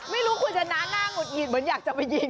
ไม่รู้คุณชนะหน้าหงุดหงิดเหมือนอยากจะไปยิง